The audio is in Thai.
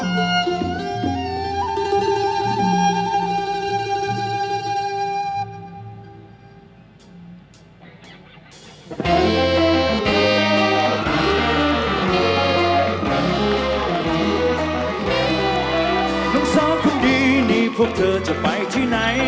ลูกสาวคนดีนี่พวกเธอจะไปที่ไหน